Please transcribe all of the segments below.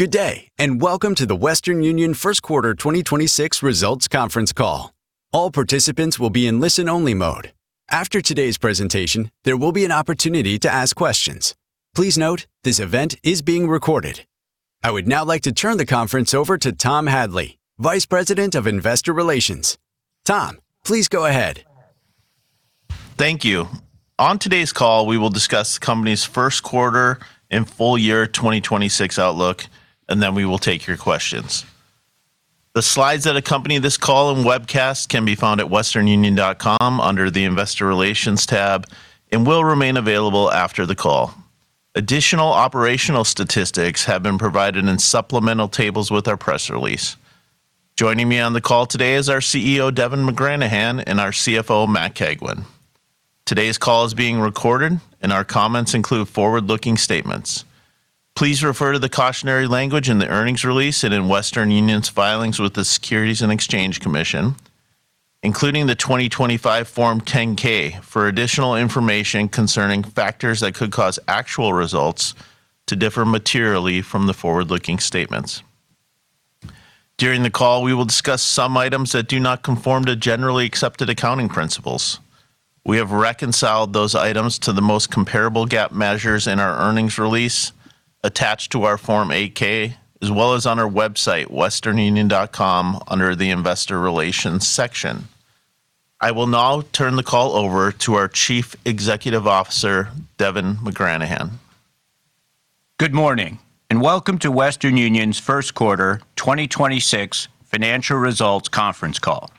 Good day, and welcome to the Western Union first quarter 2026 results conference call. All participants will be in listen-only mode. After today's presentation, there will be an opportunity to ask questions. Please note, this event is being recorded. I would now like to turn the conference over to Tom Hadley, Vice President of Investor Relations. Tom, please go ahead. Thank you. On today's call, we will discuss the company's first quarter and full year 2026 outlook, and then we will take your questions. The slides that accompany this call and webcast can be found at westernunion.com under the Investor Relations tab and will remain available after the call. Additional operational statistics have been provided in supplemental tables with our press release. Joining me on the call today is our CEO, Devin McGranahan, and our CFO, Matt Cagwin. Today's call is being recorded, and our comments include forward-looking statements. Please refer to the cautionary language in the earnings release and in Western Union's filings with the Securities and Exchange Commission, including the 2025 Form 10-K, for additional information concerning factors that could cause actual results to differ materially from the forward-looking statements. During the call, we will discuss some items that do not conform to generally accepted accounting principles. We have reconciled those items to the most comparable GAAP measures in our earnings release attached to our Form 8-K, as well as on our website, westernunion.com, under the Investor Relations section. I will now turn the call over to our Chief Executive Officer, Devin McGranahan. Good morning, and welcome to Western Union's first quarter 2026 financial results conference call.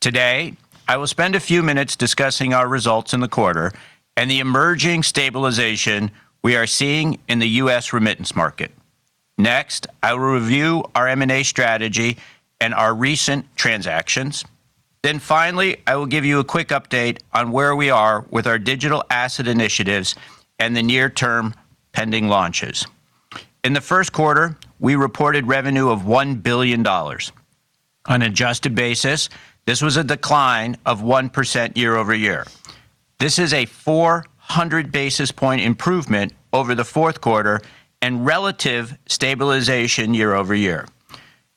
Today, I will spend a few minutes discussing our results in the quarter and the emerging stabilization we are seeing in the U.S. remittance market. Next, I will review our M&A strategy and our recent transactions. Finally, I will give you a quick update on where we are with our digital asset initiatives and the near-term pending launches. In the first quarter, we reported revenue of $1 billion. On adjusted basis, this was a decline of 1% year-over-year. This is a 400 basis points improvement over the fourth quarter and relative stabilization year-over-year.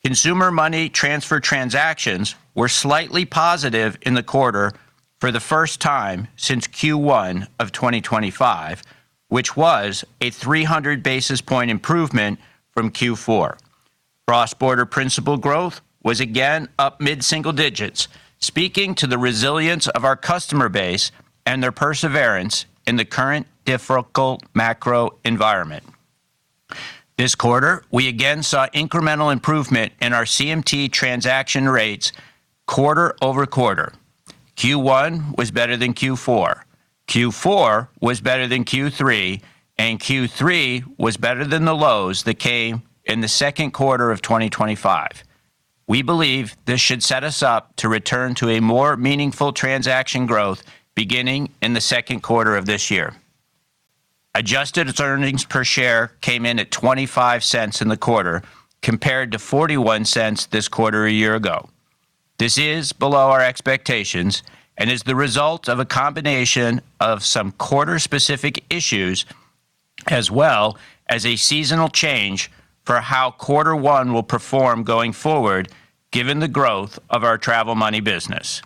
Consumer Money Transfer transactions were slightly positive in the quarter for the first time since Q1 of 2025, which was a 300 basis points improvement from Q4. Cross-border principal growth was again up mid-single digits, speaking to the resilience of our customer base and their perseverance in the current difficult macro environment. This quarter, we again saw incremental improvement in our CMT transaction rates quarter-over-quarter. Q1 was better than Q4. Q4 was better than Q3, and Q3 was better than the lows that came in the second quarter of 2025. We believe this should set us up to return to a more meaningful transaction growth beginning in the second quarter of this year. Adjusted earnings per share came in at $0.25 in the quarter, compared to $0.41 this quarter a year ago. This is below our expectations and is the result of a combination of some quarter-specific issues as well as a seasonal change for how quarter one will perform going forward, given the growth of our Travel Money business.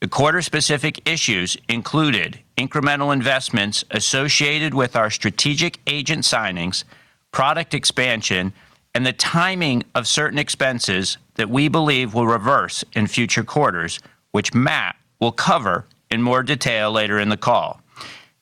The quarter-specific issues included incremental investments associated with our strategic agent signings, product expansion, and the timing of certain expenses that we believe will reverse in future quarters, which Matt will cover in more detail later in the call.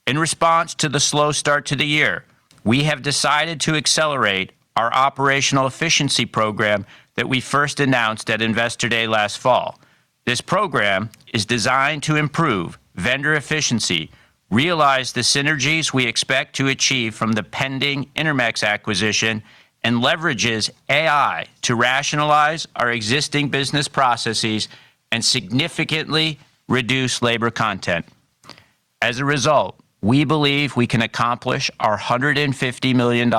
In response to the slow start to the year, we have decided to accelerate our operational efficiency program that we first announced at Investor Day last fall. This program is designed to improve vendor efficiency, realize the synergies we expect to achieve from the pending Intermex acquisition, and leverages AI to rationalize our existing business processes and significantly reduce labor content. As a result, we believe we can accomplish our $150 million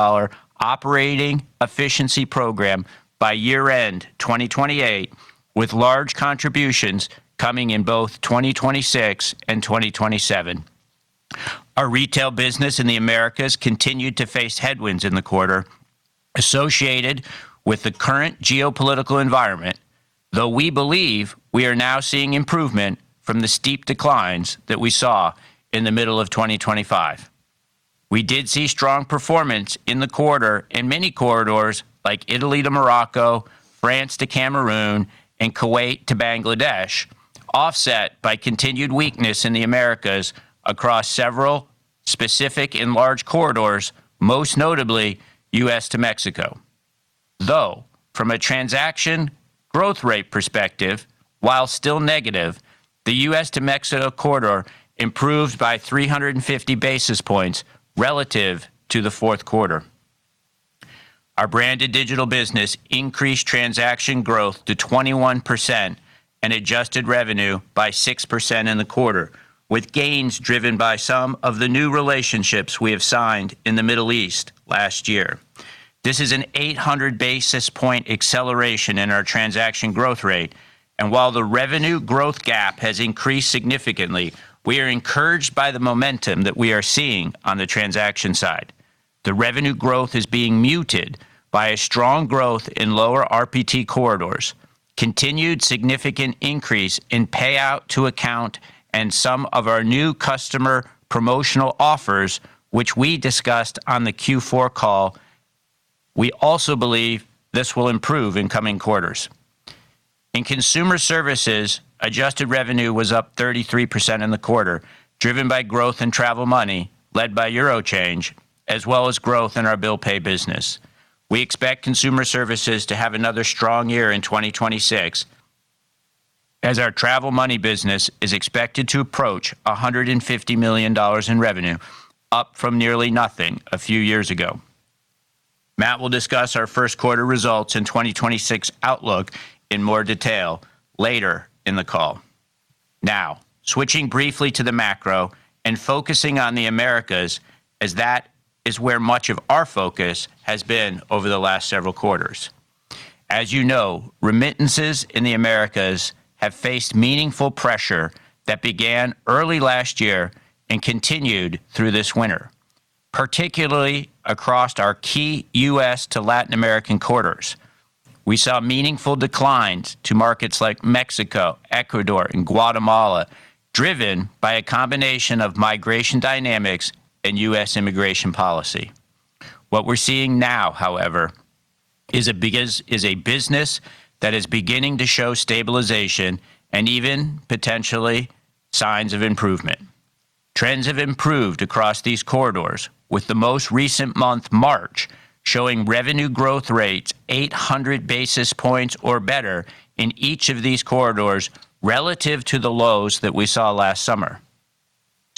operating efficiency program by year-end 2028, with large contributions coming in both 2026 and 2027. Our retail business in the Americas continued to face headwinds in the quarter associated with the current geopolitical environment, though we believe we are now seeing improvement from the steep declines that we saw in the middle of 2025. We did see strong performance in the quarter in many corridors, like Italy to Morocco, France to Cameroon, and Kuwait to Bangladesh, offset by continued weakness in the Americas across several specific and large corridors, most notably U.S. to Mexico. Though, from a transaction growth rate perspective, while still negative, the U.S. to Mexico corridor improved by 350 basis points relative to the fourth quarter. Our Branded Digital business increased transaction growth to 21% and adjusted revenue by 6% in the quarter, with gains driven by some of the new relationships we have signed in the Middle East last year. This is an 800 basis point acceleration in our transaction growth rate. While the revenue growth gap has increased significantly, we are encouraged by the momentum that we are seeing on the transaction side. The revenue growth is being muted by a strong growth in lower RPT corridors, continued significant increase in payout to account, and some of our new customer promotional offers, which we discussed on the Q4 call. We also believe this will improve in coming quarters. In Consumer Services, adjusted revenue was up 33% in the quarter, driven by growth in Travel Money, led by eurochange, as well as growth in our bill pay business. We expect Consumer Services to have another strong year in 2026, as our Travel Money business is expected to approach $150 million in revenue, up from nearly nothing a few years ago. Matt will discuss our first quarter results and 2026 outlook in more detail later in the call. Now, switching briefly to the macro and focusing on the Americas, as that is where much of our focus has been over the last several quarters. As you know, remittances in the Americas have faced meaningful pressure that began early last year and continued through this winter, particularly across our key U.S. to Latin American corridors. We saw meaningful declines to markets like Mexico, Ecuador, and Guatemala, driven by a combination of migration dynamics and U.S. immigration policy. What we're seeing now, however, is a business that is beginning to show stabilization and even potentially signs of improvement. Trends have improved across these corridors, with the most recent month, March, showing revenue growth rates 800 basis points or better in each of these corridors relative to the lows that we saw last summer.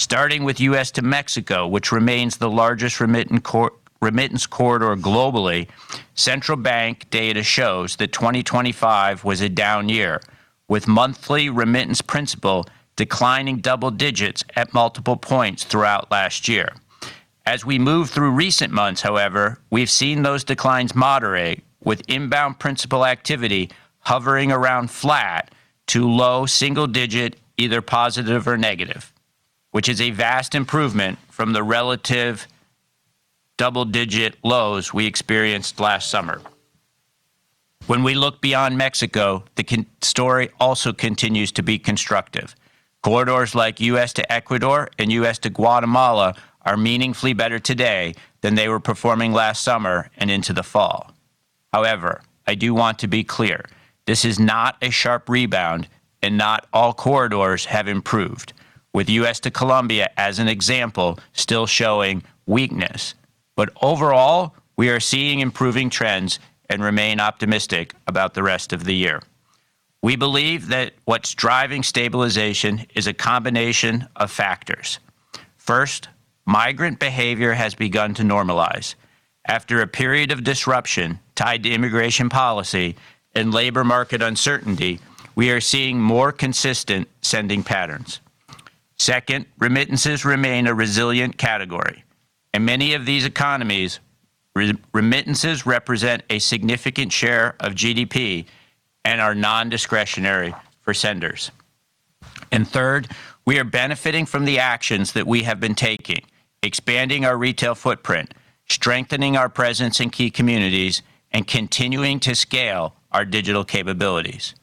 Starting with U.S. to Mexico, which remains the largest remittance corridor globally, central bank data shows that 2025 was a down year, with monthly remittance principal declining double digits at multiple points throughout last year. As we move through recent months, however, we've seen those declines moderate, with inbound principal activity hovering around flat to low single digit, either positive or negative, which is a vast improvement from the relative double-digit lows we experienced last summer. When we look beyond Mexico, the story also continues to be constructive. Corridors like U.S. to Ecuador and U.S. to Guatemala are meaningfully better today than they were performing last summer and into the fall. However, I do want to be clear, this is not a sharp rebound and not all corridors have improved. With U.S. to Colombia, as an example, still showing weakness. Overall, we are seeing improving trends and remain optimistic about the rest of the year. We believe that what's driving stabilization is a combination of factors. First, migrant behavior has begun to normalize. After a period of disruption tied to immigration policy and labor market uncertainty, we are seeing more consistent sending patterns. Second, remittances remain a resilient category. In many of these economies, remittances represent a significant share of GDP and are non-discretionary for senders. Third, we are benefiting from the actions that we have been taking, expanding our retail footprint, strengthening our presence in key communities, and continuing to scale our digital capabilities.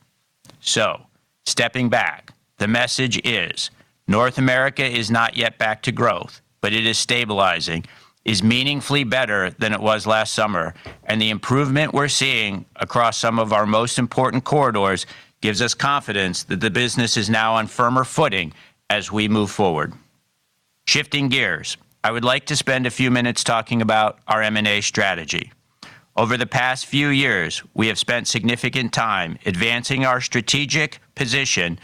Stepping back, the message is North America is not yet back to growth, but it is stabilizing, is meaningfully better than it was last summer, and the improvement we're seeing across some of our most important corridors gives us confidence that the business is now on firmer footing as we move forward. Shifting gears, I would like to spend a few minutes talking about our M&A strategy. Over the past few years, we have spent significant time advancing our strategic position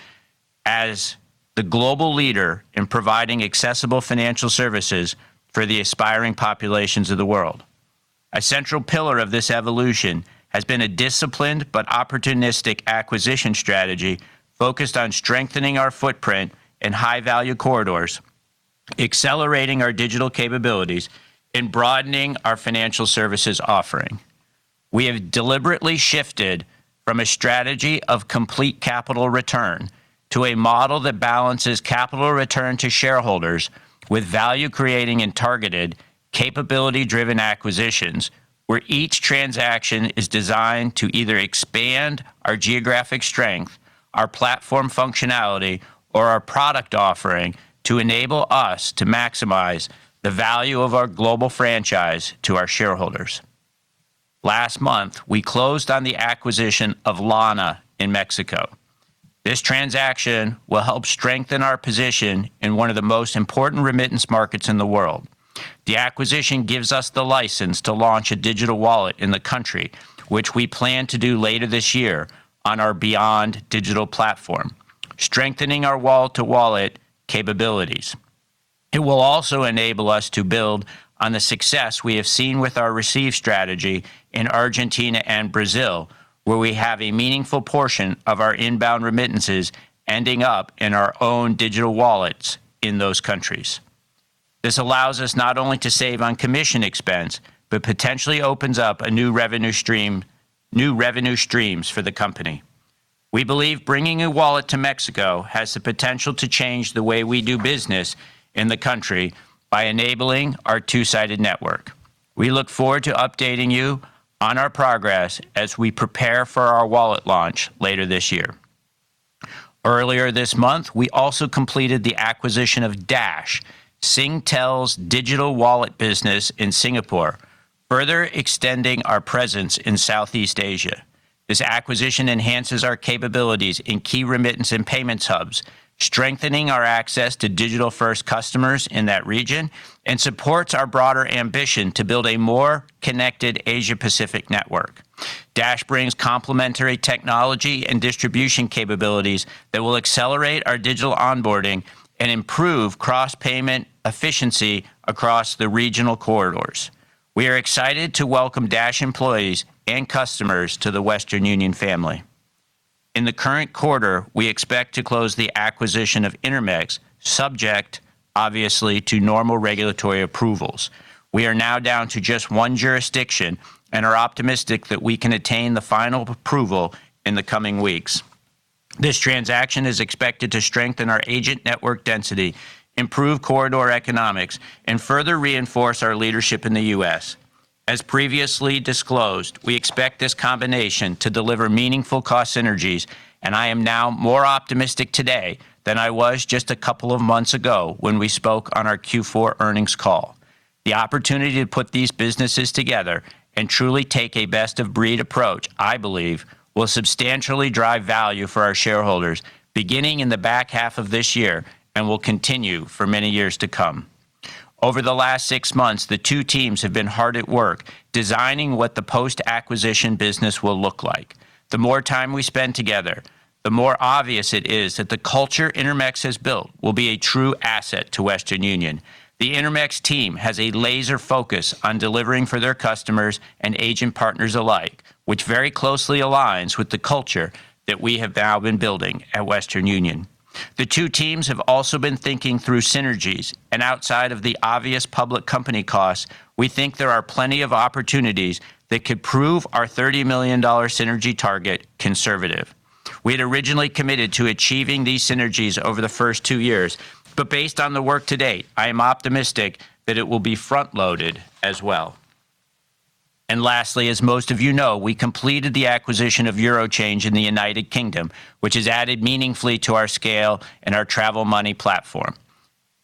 as the global leader in providing accessible financial services for the aspiring populations of the world. A central pillar of this evolution has been a disciplined but opportunistic acquisition strategy focused on strengthening our footprint in high-value corridors, accelerating our digital capabilities, and broadening our financial services offering. We have deliberately shifted from a strategy of complete capital return to a model that balances capital return to shareholders with value creating and targeted capability-driven acquisitions, where each transaction is designed to either expand our geographic strength, our platform functionality, or our product offering to enable us to maximize the value of our global franchise to our shareholders. Last month, we closed on the acquisition of Lana in Mexico. This transaction will help strengthen our position in one of the most important remittance markets in the world. The acquisition gives us the license to launch a digital wallet in the country, which we plan to do later this year on our Beyond digital platform, strengthening our wallet-to-wallet capabilities. It will also enable us to build on the success we have seen with our receive strategy in Argentina and Brazil, where we have a meaningful portion of our inbound remittances ending up in our own digital wallets in those countries. This allows us not only to save on commission expense, but potentially opens up new revenue streams for the company. We believe bringing a wallet to Mexico has the potential to change the way we do business in the country by enabling our two-sided network. We look forward to updating you on our progress as we prepare for our wallet launch later this year. Earlier this month, we also completed the acquisition of Dash, Singtel's digital wallet business in Singapore, further extending our presence in Southeast Asia. This acquisition enhances our capabilities in key remittance and payments hubs, strengthening our access to digital-first customers in that region, and supports our broader ambition to build a more connected Asia-Pacific network. Dash brings complementary technology and distribution capabilities that will accelerate our digital onboarding and improve cross-payment efficiency across the regional corridors. We are excited to welcome Dash employees and customers to the Western Union family. In the current quarter, we expect to close the acquisition of Intermex, subject obviously to normal regulatory approvals. We are now down to just one jurisdiction and are optimistic that we can attain the final approval in the coming weeks. This transaction is expected to strengthen our agent network density, improve corridor economics, and further reinforce our leadership in the U.S. As previously disclosed, we expect this combination to deliver meaningful cost synergies, and I am now more optimistic today than I was just a couple of months ago when we spoke on our Q4 earnings call. The opportunity to put these businesses together and truly take a best-of-breed approach, I believe, will substantially drive value for our shareholders, beginning in the back half of this year and will continue for many years to come. Over the last six months, the two teams have been hard at work designing what the post-acquisition business will look like. The more time we spend together, the more obvious it is that the culture Intermex has built will be a true asset to Western Union. The Intermex team has a laser focus on delivering for their customers and agent partners alike, which very closely aligns with the culture that we have now been building at Western Union. The two teams have also been thinking through synergies, and outside of the obvious public company costs, we think there are plenty of opportunities that could prove our $30 million synergy target conservative. We had originally committed to achieving these synergies over the first two years, but based on the work to date, I am optimistic that it will be front-loaded as well. Lastly, as most of you know, we completed the acquisition of eurochange in the United Kingdom, which has added meaningfully to our scale and our Travel Money platform.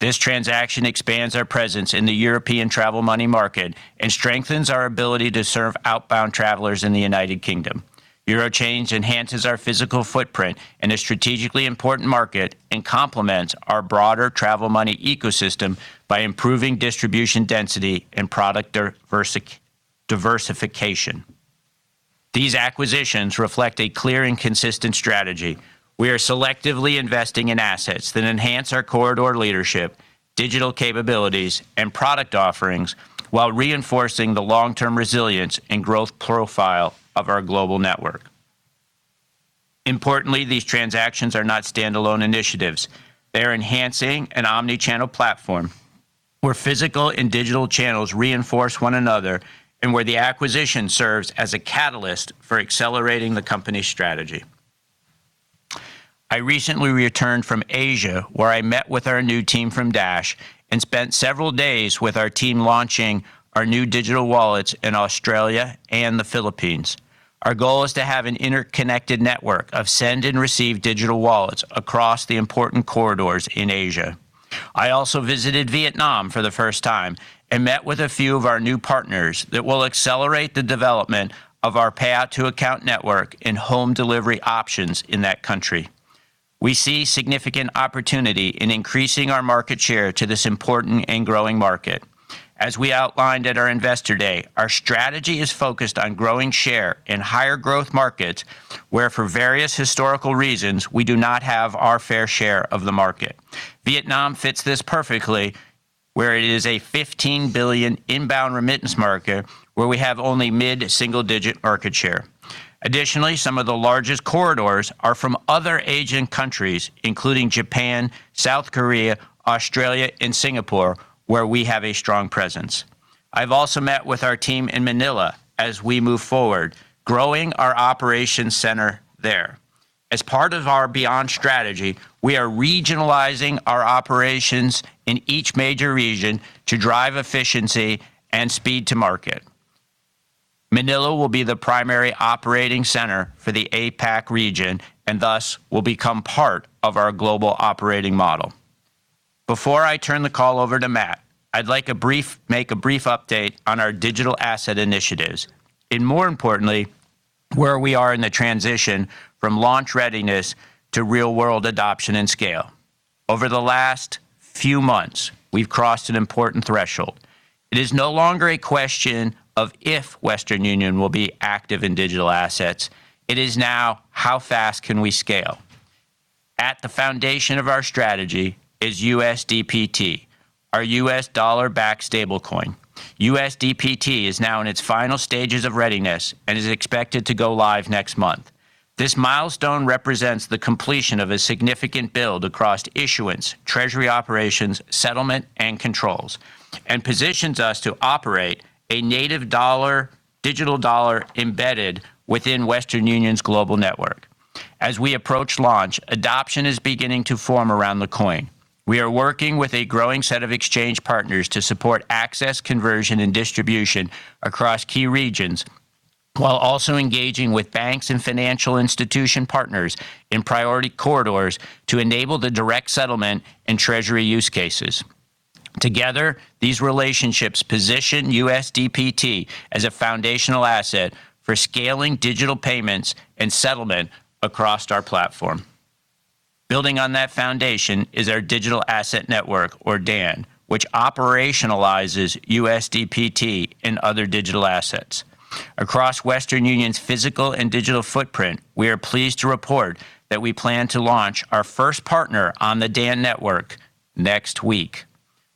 This transaction expands our presence in the European Travel Money market and strengthens our ability to serve outbound travelers in the United Kingdom. eurochange enhances our physical footprint in a strategically important market and complements our broader travel money ecosystem by improving distribution density and product diversification. These acquisitions reflect a clear and consistent strategy. We are selectively investing in assets that enhance our corridor leadership, digital capabilities, and product offerings while reinforcing the long-term resilience and growth profile of our global network. Importantly, these transactions are not standalone initiatives. They are enhancing an omni-channel platform where physical and digital channels reinforce one another and where the acquisition serves as a catalyst for accelerating the company's strategy. I recently returned from Asia, where I met with our new team from Dash and spent several days with our team launching our new digital wallets in Australia and the Philippines. Our goal is to have an interconnected network of send and receive digital wallets across the important corridors in Asia. I also visited Vietnam for the first time and met with a few of our new partners that will accelerate the development of our payout to account network and home delivery options in that country. We see significant opportunity in increasing our market share to this important and growing market. As we outlined at our Investor Day, our strategy is focused on growing share in higher growth markets where, for various historical reasons, we do not have our fair share of the market. Vietnam fits this perfectly, where it is a $15 billion inbound remittance market where we have only mid-single-digit market share. Additionally, some of the largest corridors are from other Asian countries, including Japan, South Korea, Australia, and Singapore, where we have a strong presence. I've also met with our team in Manila as we move forward growing our operations center there. As part of our Beyond strategy, we are regionalizing our operations in each major region to drive efficiency and speed to market. Manila will be the primary operating center for the APAC region and thus will become part of our global operating model. Before I turn the call over to Matt, I'd like to make a brief update on our digital asset initiatives and more importantly, where we are in the transition from launch readiness to real-world adoption and scale. Over the last few months, we've crossed an important threshold. It is no longer a question of if Western Union will be active in digital assets. It is now how fast can we scale. At the foundation of our strategy is USDPT, our U.S. dollar-backed stablecoin. USDPT is now in its final stages of readiness and is expected to go live next month. This milestone represents the completion of a significant build across issuance, treasury operations, settlement, and controls, and positions us to operate a native digital dollar embedded within Western Union's global network. As we approach launch, adoption is beginning to form around the coin. We are working with a growing set of exchange partners to support access, conversion, and distribution across key regions, while also engaging with banks and financial institution partners in priority corridors to enable the direct settlement and treasury use cases. Together, these relationships position USDPT as a foundational asset for scaling digital payments and settlement across our platform. Building on that foundation is our Digital Asset Network, or DAN, which operationalizes USDPT and other digital assets. Across Western Union's physical and digital footprint, we are pleased to report that we plan to launch our first partner on the DAN network next week,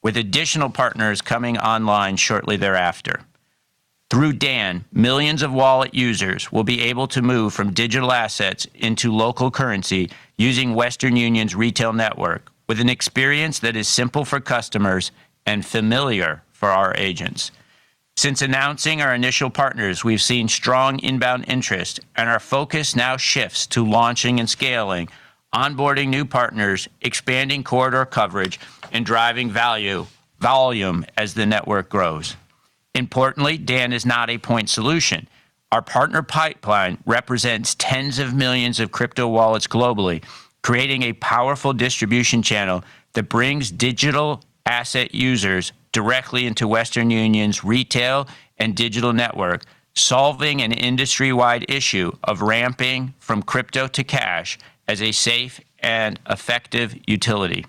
with additional partners coming online shortly thereafter. Through DAN, millions of wallet users will be able to move from digital assets into local currency using Western Union's retail network with an experience that is simple for customers and familiar for our agents. Since announcing our initial partners, we've seen strong inbound interest, and our focus now shifts to launching and scaling, onboarding new partners, expanding corridor coverage, and driving volume as the network grows. Importantly, DAN is not a point solution. Our partner pipeline represents tens of millions of crypto wallets globally, creating a powerful distribution channel that brings digital asset users directly into Western Union's retail and digital network, solving an industry-wide issue of ramping from crypto to cash as a safe and effective utility.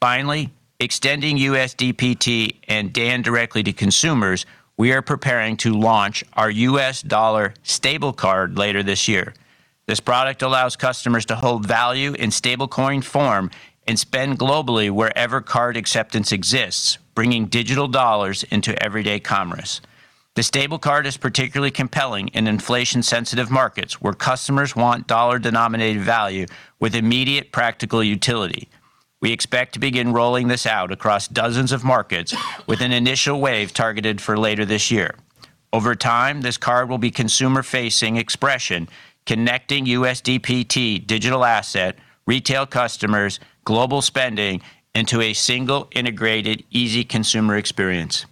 Finally, extending USDPT and DAN directly to consumers, we are preparing to launch our U.S. dollar Stable Card later this year. This product allows customers to hold value in stablecoin form and spend globally wherever card acceptance exists, bringing digital dollars into everyday commerce. The Stable Card is particularly compelling in inflation-sensitive markets, where customers want dollar-denominated value with immediate practical utility. We expect to begin rolling this out across dozens of markets with an initial wave targeted for later this year. Over time, this card will be consumer-facing experience, connecting USDPT digital asset, retail customers, global spending into a single, integrated, easy consumer experience.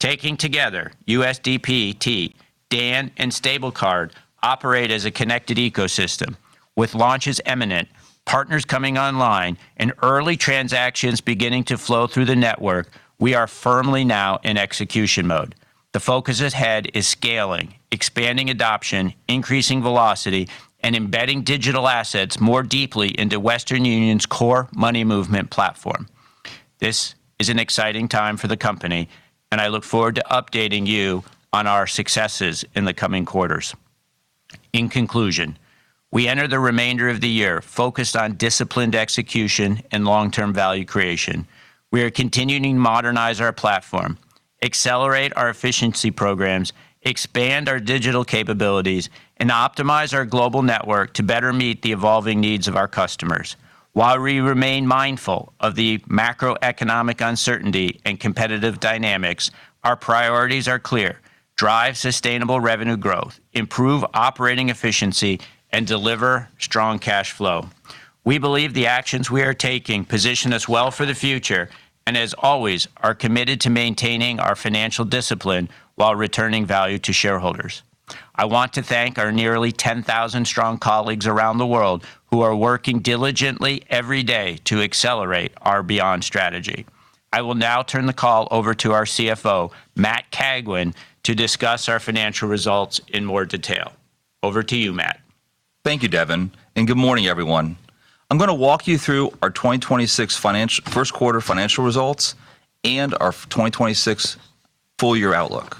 Taken together, USDPT, DAN, and Stable Card operate as a connected ecosystem. With launches imminent, partners coming online, and early transactions beginning to flow through the network, we are firmly now in execution mode. The focus ahead is scaling, expanding adoption, increasing velocity, and embedding digital assets more deeply into Western Union's core money movement platform. This is an exciting time for the company, and I look forward to updating you on our successes in the coming quarters. In conclusion, we enter the remainder of the year focused on disciplined execution and long-term value creation. We are continuing to modernize our platform, accelerate our efficiency programs, expand our digital capabilities, and optimize our global network to better meet the evolving needs of our customers. While we remain mindful of the macroeconomic uncertainty and competitive dynamics, our priorities are clear, drive sustainable revenue growth, improve operating efficiency, and deliver strong cash flow. We believe the actions we are taking position us well for the future and as always, are committed to maintaining our financial discipline while returning value to shareholders. I want to thank our nearly 10,000 strong colleagues around the world who are working diligently every day to accelerate our Beyond strategy. I will now turn the call over to our CFO, Matt Cagwin, to discuss our financial results in more detail. Over to you, Matt. Thank you, Devin, and good morning, everyone. I'm going to walk you through our 2026 first quarter financial results and our 2026 full-year outlook.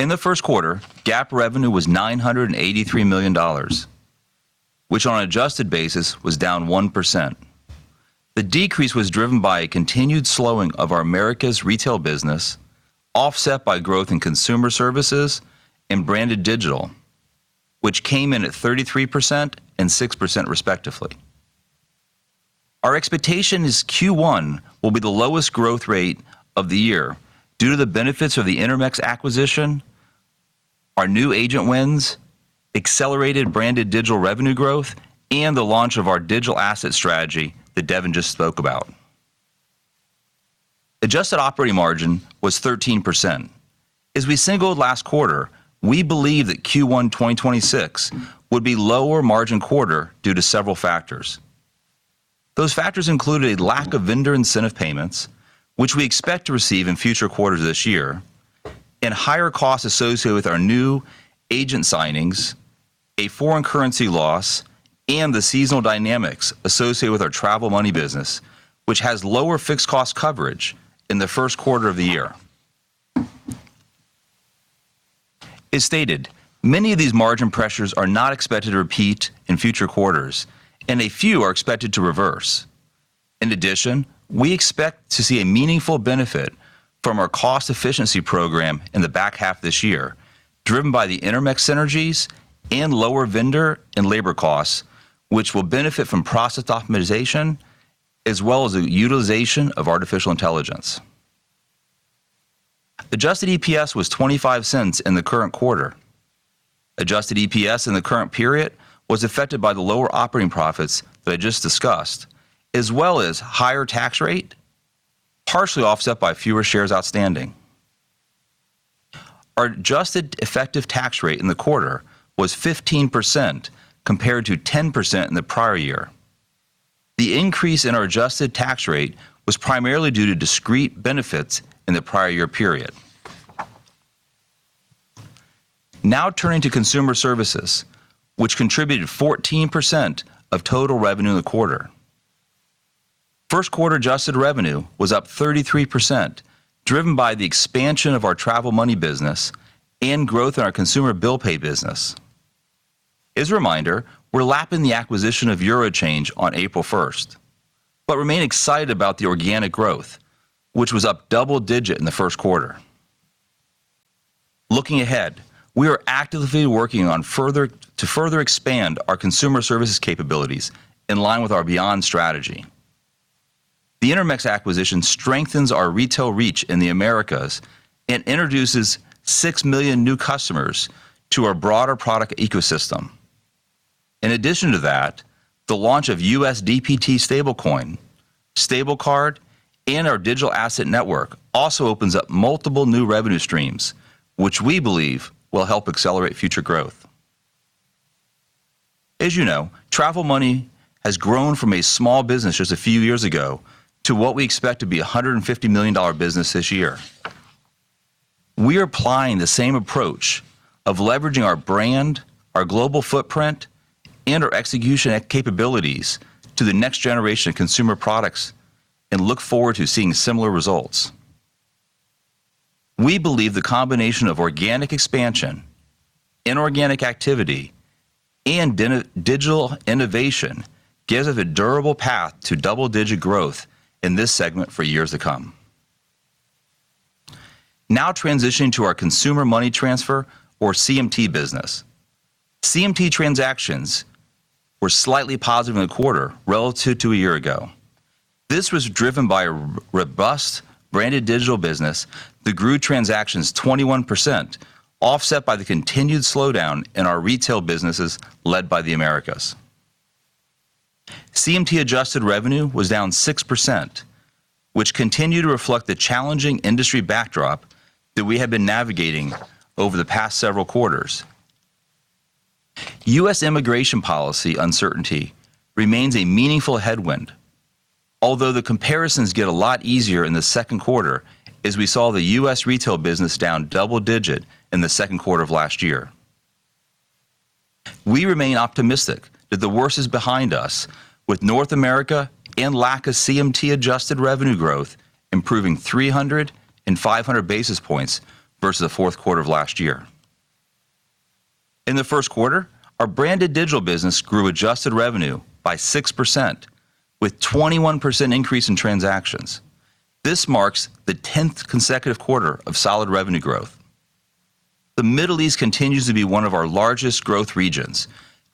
In the first quarter, GAAP revenue was $983 million, which on an adjusted basis was down 1%. The decrease was driven by a continued slowing of our Americas retail business, offset by growth in Consumer Services and Branded Digital, which came in at 33% and 6% respectively. Our expectation is Q1 will be the lowest growth rate of the year due to the benefits of the Intermex acquisition, our new agent wins, accelerated Branded Digital revenue growth, and the launch of our digital asset strategy that Devin just spoke about. Adjusted operating margin was 13%. As we signaled last quarter, we believe that Q1 2026 would be a lower margin quarter due to several factors. Those factors included lack of vendor incentive payments, which we expect to receive in future quarters this year, and higher costs associated with our new agent signings, a foreign currency loss, and the seasonal dynamics associated with our Travel Money business, which has lower fixed cost coverage in the first quarter of the year. As stated, many of these margin pressures are not expected to repeat in future quarters and a few are expected to reverse. In addition, we expect to see a meaningful benefit from our cost efficiency program in the back half this year, driven by the Intermex synergies and lower vendor and labor costs, which will benefit from process optimization as well as the utilization of artificial intelligence. Adjusted EPS was $0.25 in the current quarter. Adjusted EPS in the current period was affected by the lower operating profits that I just discussed, as well as higher tax rate, partially offset by fewer shares outstanding. Our adjusted effective tax rate in the quarter was 15% compared to 10% in the prior year. The increase in our adjusted tax rate was primarily due to discrete benefits in the prior year period. Now turning to Consumer Services, which contributed 14% of total revenue in the quarter. First quarter adjusted revenue was up 33%, driven by the expansion of our Travel Money business and growth in our consumer bill pay business. As a reminder, we're lapping the acquisition of eurochange on April 1st, but remain excited about the organic growth, which was up double-digit in the first quarter. Looking ahead, we are actively working to further expand our Consumer Services capabilities in line with our Beyond strategy. The Intermex acquisition strengthens our retail reach in the Americas and introduces 6 million new customers to our broader product ecosystem. In addition to that, the launch of USDPT, Stable Card, and our Digital Asset Network also opens up multiple new revenue streams, which we believe will help accelerate future growth. As you know, Travel Money has grown from a small business just a few years ago to what we expect to be a $150 million business this year. We are applying the same approach of leveraging our brand, our global footprint, and our execution capabilities to the next generation of consumer products and look forward to seeing similar results. We believe the combination of organic expansion, inorganic activity, and digital innovation gives us a durable path to double-digit growth in this segment for years to come. Now transitioning to our Consumer Money Transfer or CMT business. CMT transactions were slightly positive in the quarter relative to a year ago. This was driven by a robust branded digital business that grew transactions 21%, offset by the continued slowdown in our retail businesses led by the Americas. CMT adjusted revenue was down 6%, which continued to reflect the challenging industry backdrop that we have been navigating over the past several quarters. U.S. immigration policy uncertainty remains a meaningful headwind. Although the comparisons get a lot easier in the second quarter, as we saw the U.S. retail business down double digit in the second quarter of last year. We remain optimistic that the worst is behind us with North America and LAC of CMT adjusted revenue growth improving 300 and 500 basis points versus the fourth quarter of last year. In the first quarter, our branded digital business grew adjusted revenue by 6% with 21% increase in transactions. This marks the 10th consecutive quarter of solid revenue growth. The Middle East continues to be one of our largest growth regions,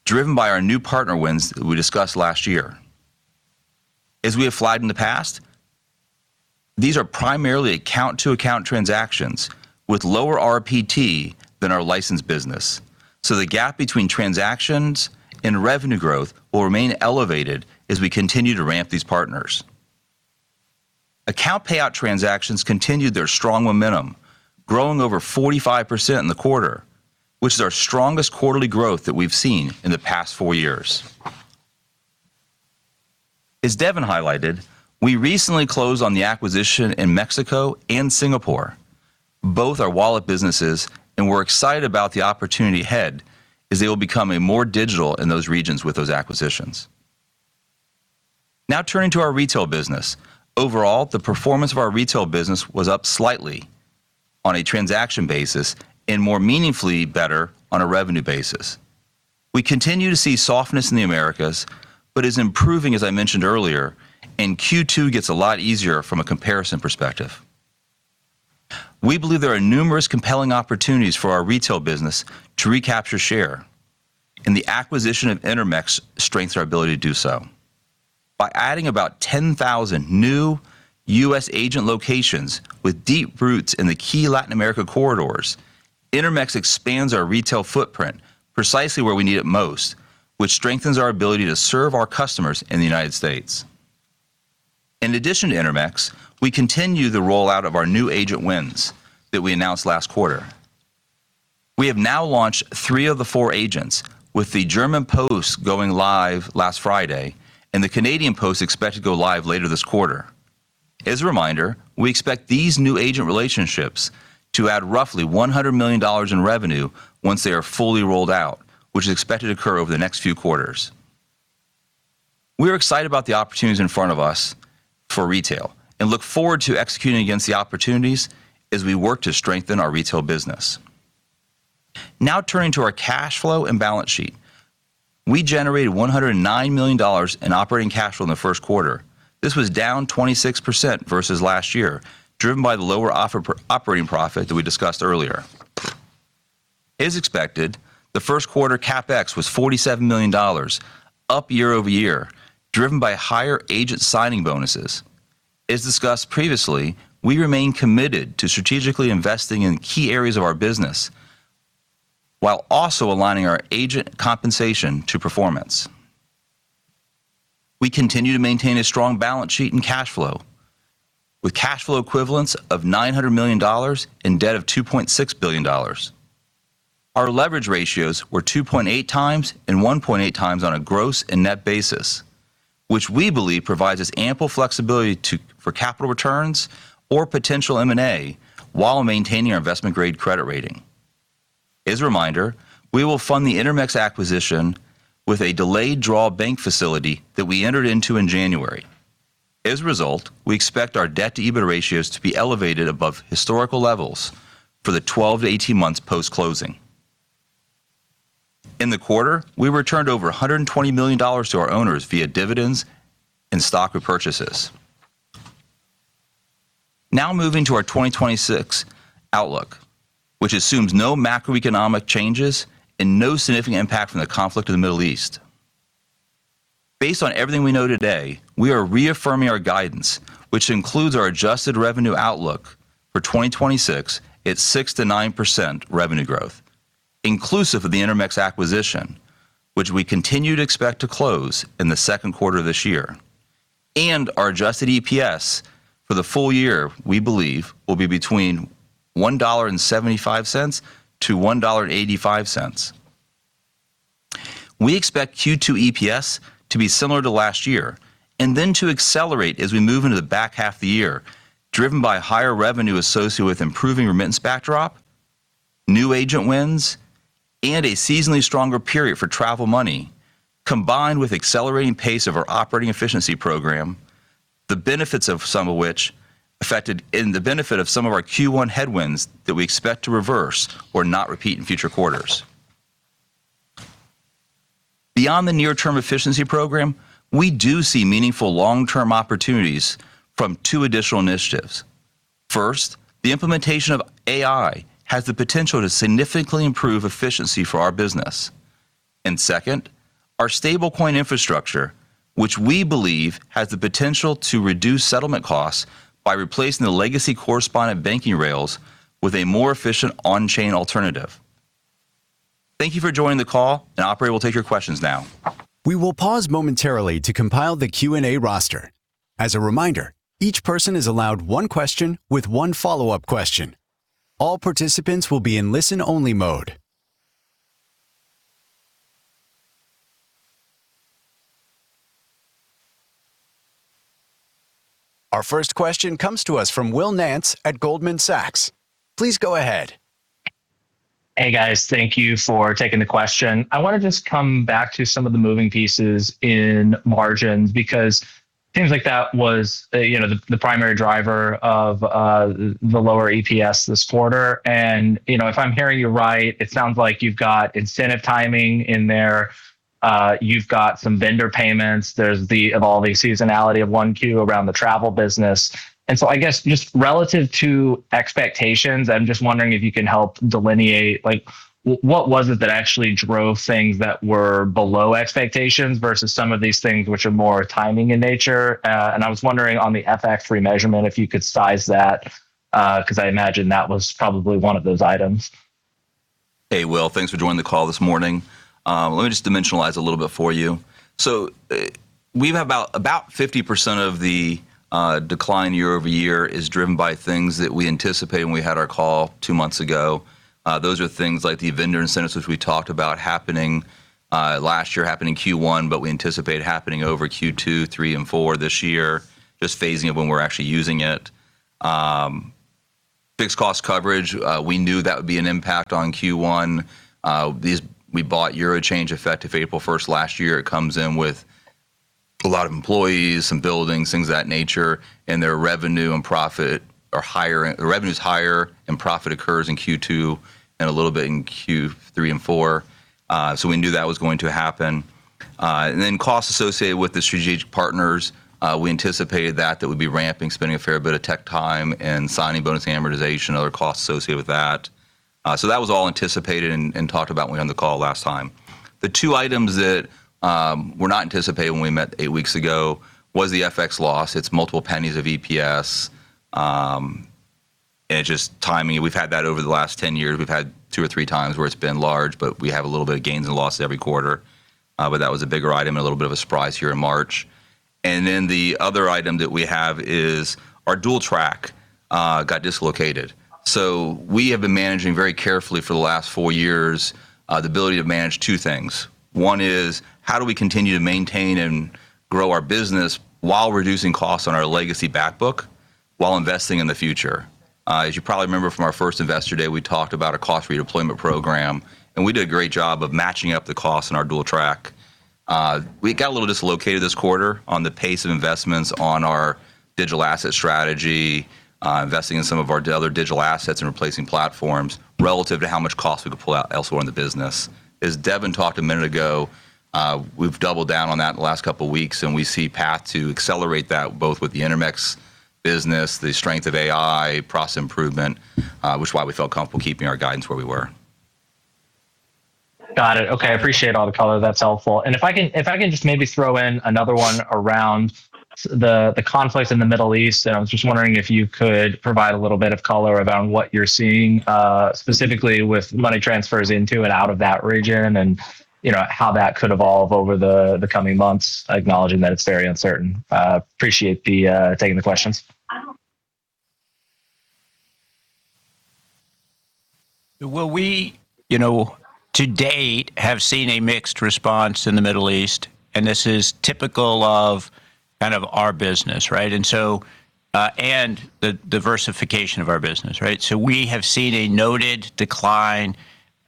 driven by our new partner wins that we discussed last year. As we have flagged in the past, these are primarily account-to-account transactions with lower RPT than our licensed business. The gap between transactions and revenue growth will remain elevated as we continue to ramp these partners. Account payout transactions continued their strong momentum, growing over 45% in the quarter, which is our strongest quarterly growth that we've seen in the past four years. As Devin highlighted, we recently closed on the acquisition in Mexico and Singapore. Both are wallet businesses, and we're excited about the opportunity ahead as they will become more digital in those regions with those acquisitions. Now turning to our retail business. Overall, the performance of our retail business was up slightly on a transaction basis and more meaningfully better on a revenue basis. We continue to see softness in the Americas, but it is improving as I mentioned earlier, and Q2 gets a lot easier from a comparison perspective. We believe there are numerous compelling opportunities for our retail business to recapture share, and the acquisition of Intermex strengthens our ability to do so. By adding about 10,000 new U.S. agent locations with deep roots in the key Latin America corridors, Intermex expands our retail footprint precisely where we need it most, which strengthens our ability to serve our customers in the United States. In addition to Intermex, we continue the rollout of our new agent wins that we announced last quarter. We have now launched three of the four agents, with the Deutsche Post going live last Friday and the Canada Post expected to go live later this quarter. As a reminder, we expect these new agent relationships to add roughly $100 million in revenue once they are fully rolled out, which is expected to occur over the next few quarters. We're excited about the opportunities in front of us for retail and look forward to executing against the opportunities as we work to strengthen our retail business. Now turning to our cash flow and balance sheet. We generated $109 million in operating cash flow in the first quarter. This was down 26% versus last year, driven by the lower operating profit that we discussed earlier. As expected, the first quarter CapEx was $47 million, up year-over-year, driven by higher agent signing bonuses. As discussed previously, we remain committed to strategically investing in key areas of our business while also aligning our agent compensation to performance. We continue to maintain a strong balance sheet and cash flow, with cash flow equivalence of $900 million and debt of $2.6 billion. Our leverage ratios were 2.8x and 1.8x on a gross and net basis, which we believe provides us ample flexibility for capital returns or potential M&A while maintaining our investment-grade credit rating. As a reminder, we will fund the Intermex acquisition with a delayed draw bank facility that we entered into in January. As a result, we expect our debt-to-EBITDA ratios to be elevated above historical levels for the 12-18 months post-closing. In the quarter, we returned over $120 million to our owners via dividends and stock repurchases. Now moving to our 2026 outlook, which assumes no macroeconomic changes and no significant impact from the conflict in the Middle East. Based on everything we know today, we are reaffirming our guidance, which includes our adjusted revenue outlook for 2026 at 6%-9% revenue growth, inclusive of the Intermex acquisition, which we continue to expect to close in the second quarter of this year, and our adjusted EPS for the full year, we believe will be between $1.75-$1.85. We expect Q2 EPS to be similar to last year and then to accelerate as we move into the back half of the year, driven by higher revenue associated with improving remittance backdrop, new agent wins, and a seasonally stronger period for Travel Money, combined with accelerating pace of our operating efficiency program, the benefit of some of our Q1 headwinds that we expect to reverse or not repeat in future quarters. Beyond the near-term efficiency program, we do see meaningful long-term opportunities from two additional initiatives. First, the implementation of AI has the potential to significantly improve efficiency for our business. Second, our stablecoin infrastructure, which we believe has the potential to reduce settlement costs by replacing the legacy correspondent banking rails with a more efficient on-chain alternative. Thank you for joining the call, and operator will take your questions now. We will pause momentarily to compile the Q&A roster. As a reminder, each person is allowed one question with one follow-up question. All participants will be in listen-only mode. Our first question comes to us from Will Nance at Goldman Sachs. Please go ahead. Hey, guys. Thank you for taking the question. I want to just come back to some of the moving pieces in margins because things like that was the primary driver of the lower EPS this quarter. If I'm hearing you right, it sounds like you've got incentive timing in there. You've got some vendor payments. There's the seasonality of 1Q around the travel business. I guess just relative to expectations, I'm just wondering if you can help delineate what was it that actually drove things that were below expectations versus some of these things which are more timing in nature. I was wondering on the FX remeasurement, if you could size that, because I imagine that was probably one of those items. Hey, Will. Thanks for joining the call this morning. Let me just dimensionalize a little bit for you. About 50% of the decline year-over-year is driven by things that we anticipated when we had our call two months ago. Those are things like the vendor incentives, which we talked about happening last year, happened in Q1, but we anticipate happening over Q2, Q3, and Q4 this year, just phasing it when we're actually using it. Fixed cost coverage, we knew that would be an impact on Q1. We bought eurochange effective April 1st last year. It comes in with a lot of employees, some buildings, things of that nature, and their revenue and profit are higher. Revenue's higher, and profit occurs in Q2 and a little bit in Q3 and Q4. We knew that was going to happen. Costs associated with the strategic partners, we anticipated that would be ramping, spending a fair bit of tech time and signing bonus amortization, other costs associated with that. That was all anticipated and talked about when we were on the call last time. The two items that were not anticipated when we met eight weeks ago was the FX loss. It's multiple pennies of EPS, and it's just timing. We've had that over the last 10 years. We've had 2x or 3x where it's been large, but we have a little bit of gains and losses every quarter. That was a bigger item and a little bit of a surprise here in March. The other item that we have is our dual track got dislocated. We have been managing very carefully for the last four years, the ability to manage two things. One is how do we continue to maintain and grow our business while reducing costs on our legacy back book? While investing in the future. As you probably remember from our first investor day, we talked about a cost redeployment program, and we did a great job of matching up the costs in our dual track. We got a little dislocated this quarter on the pace of investments on our digital asset strategy, investing in some of our other digital assets and replacing platforms relative to how much cost we could pull out elsewhere in the business. As Devin talked a minute ago, we've doubled down on that in the last couple of weeks, and we see path to accelerate that both with the Intermex business, the strength of AI, process improvement, which is why we felt comfortable keeping our guidance where we were. Got it. Okay, I appreciate all the color. That's helpful. If I can just maybe throw in another one around the conflict in the Middle East, I was just wondering if you could provide a little bit of color around what you're seeing, specifically with money transfers into and out of that region, and how that could evolve over the coming months, acknowledging that it's very uncertain. Appreciate you taking the questions. Well, we to date have seen a mixed response in the Middle East, and this is typical of our business, right? The diversification of our business, right? We have seen a noted decline,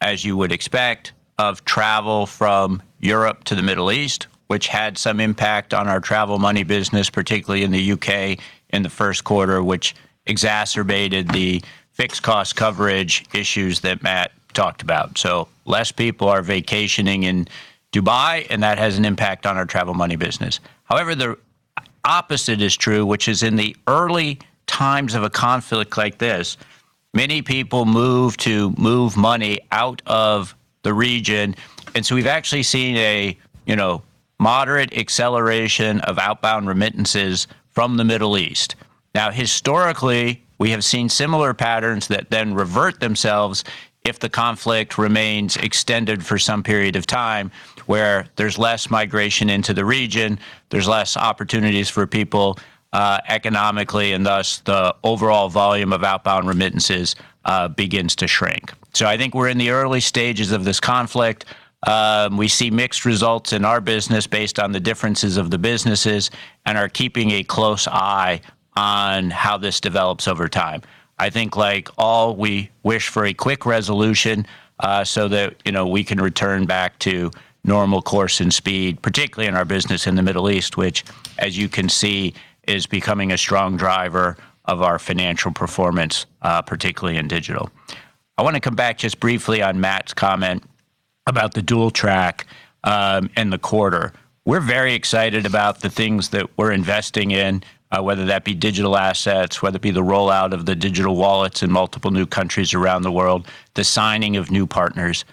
as you would expect, of travel from Europe to the Middle East, which had some impact on our Travel Money business, particularly in the U.K. in the first quarter, which exacerbated the fixed cost coverage issues that Matt talked about. Less people are vacationing in Dubai, and that has an impact on our Travel Money business. However, the opposite is true, which is in the early times of a conflict like this, many people move to move money out of the region, and so we've actually seen a moderate acceleration of outbound remittances from the Middle East. Now, historically, we have seen similar patterns that then revert themselves if the conflict remains extended for some period of time, where there's less migration into the region, there's less opportunities for people economically, and thus the overall volume of outbound remittances begins to shrink. I think we're in the early stages of this conflict. We see mixed results in our business based on the differences of the businesses and are keeping a close eye on how this develops over time. I think like all, we wish for a quick resolution so that we can return back to normal course and speed, particularly in our business in the Middle East, which, as you can see, is becoming a strong driver of our financial performance, particularly in digital. I want to come back just briefly on Matt's comment about the dual track in the quarter. We're very excited about the things that we're investing in, whether that be digital assets, whether it be the rollout of the digital wallets in multiple new countries around the world, the signing of new partners.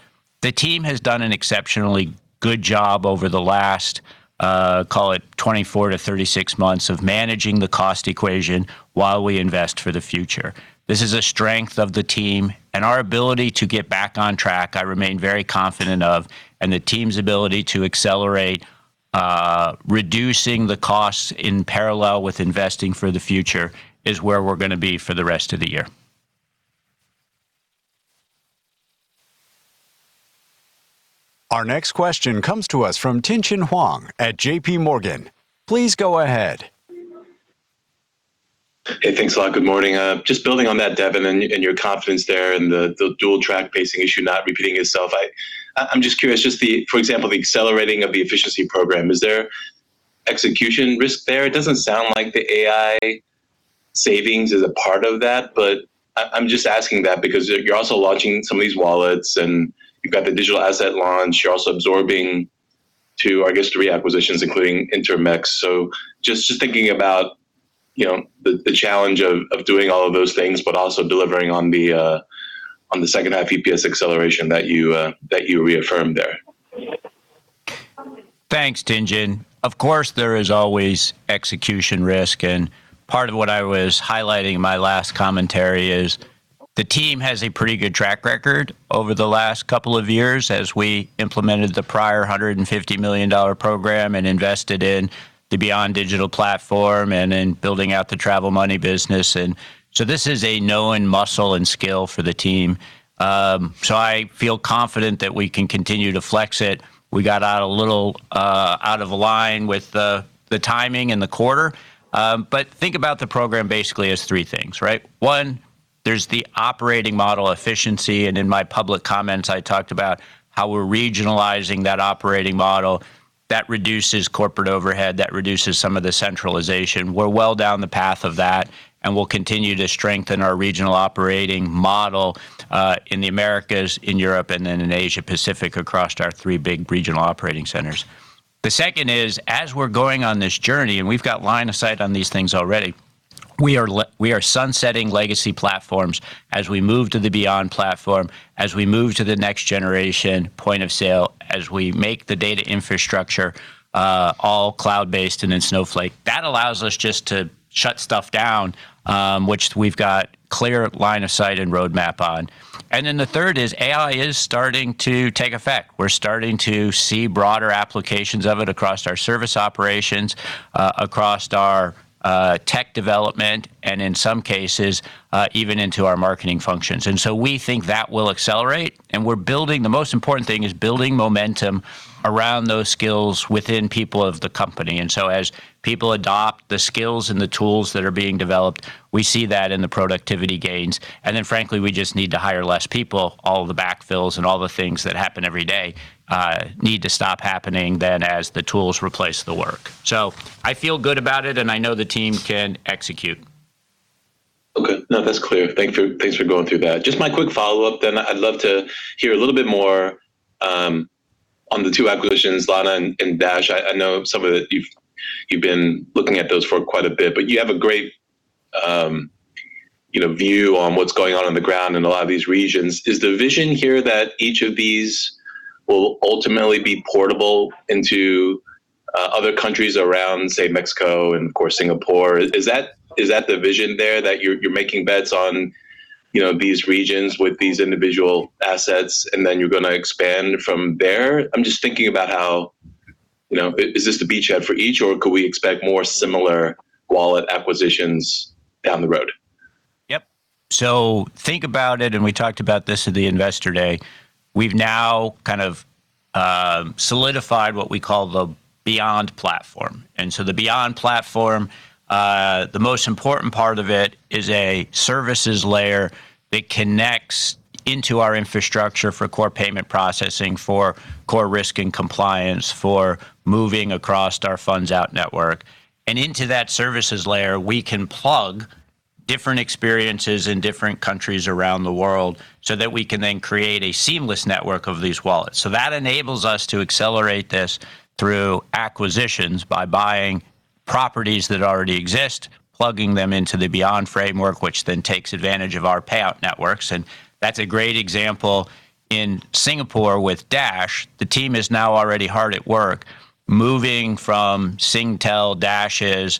The team has done an exceptionally good job over the last, call it 24-36 months, of managing the cost equation while we invest for the future. This is a strength of the team and our ability to get back on track, I remain very confident of, and the team's ability to accelerate reducing the costs in parallel with investing for the future is where we're going to be for the rest of the year. Our next question comes to us from Tien-Tsin Huang at JPMorgan. Please go ahead. Hey, thanks a lot. Good morning. Just building on that, Devin, and your confidence there and the dual track pacing issue not repeating itself. I'm just curious, for example, the accelerating of the efficiency program, is there execution risk there? It doesn't sound like the AI savings is a part of that, but I'm just asking that because you're also launching some of these wallets and you've got the digital asset launch. You're also absorbing two, I guess, three acquisitions, including Intermex. Just thinking about the challenge of doing all of those things, but also delivering on the second half EPS acceleration that you reaffirmed there. Thanks, Tien-Tsin. Of course, there is always execution risk, and part of what I was highlighting in my last commentary is the team has a pretty good track record over the last couple of years as we implemented the prior $150 million program and invested in the Beyond digital platform and in building out the Travel Money business. This is a known muscle and skill for the team. I feel confident that we can continue to flex it. We got out a little out of line with the timing in the quarter. Think about the program basically as three things, right? One, there's the operating model efficiency, and in my public comments, I talked about how we're regionalizing that operating model. That reduces corporate overhead. That reduces some of the centralization. We're well down the path of that, and we'll continue to strengthen our regional operating model in the Americas, in Europe, and then in Asia Pacific across our three big regional operating centers. The second is, as we're going on this journey, and we've got line of sight on these things already, we are sunsetting legacy platforms as we move to the Beyond platform, as we move to the next generation point of sale, as we make the data infrastructure all cloud-based and in Snowflake. That allows us just to shut stuff down, which we've got clear line of sight and roadmap on. The third is AI is starting to take effect. We're starting to see broader applications of it across our service operations, across our tech development, and in some cases, even into our marketing functions. We think that will accelerate, and we're building the most important thing is building momentum around those skills within people of the company. As people adopt the skills and the tools that are being developed, we see that in the productivity gains. Frankly, we just need to hire less people. All the backfills and all the things that happen every day need to stop happening then as the tools replace the work. I feel good about it, and I know the team can execute. Okay. No, that's clear. Thanks for going through that. Just my quick follow-up, then I'd love to hear a little bit more on the two acquisitions, Lana and Dash. I know some of it, you've been looking at those for quite a bit. But you have a great view on what's going on on the ground in a lot of these regions. Is the vision here that each of these will ultimately be portable into other countries around, say, Mexico and of course, Singapore? Is that the vision there, that you're making bets on these regions with these individual assets, and then you're going to expand from there? I'm just thinking about how is this the beachhead for each, or could we expect more similar wallet acquisitions down the road? Yep. Think about it, and we talked about this at the investor day. We've now kind of solidified what we call the Beyond platform. The Beyond platform, the most important part of it is a services layer that connects into our infrastructure for core payment processing, for core risk and compliance, for moving across our funds out network. Into that services layer, we can plug different experiences in different countries around the world so that we can then create a seamless network of these wallets. That enables us to accelerate this through acquisitions by buying properties that already exist, plugging them into the Beyond framework, which then takes advantage of our payout networks. That's a great example in Singapore with Dash. The team is now already hard at work moving from Singtel Dash's